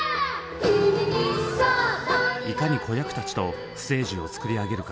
いかに子役たちとステージを作り上げるか。